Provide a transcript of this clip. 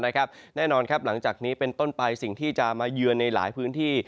แน่นอนครับหลังจากนี้เป็นต้นไปสิ่งที่จะมาเยือนในหลายพื้นที่